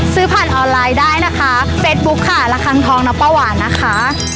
ซื้อผ่านออนไลน์ได้นะคะเฟสบุ๊คค่ะระคังทองนะป้าหวานนะคะ